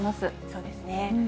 そうですね。